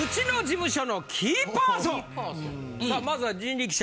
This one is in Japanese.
さあまずは人力舎。